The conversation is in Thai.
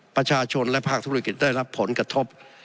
ประชาชนและภาคธุรกิจได้รับผลกระทบ